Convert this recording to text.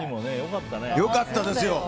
良かったですよ。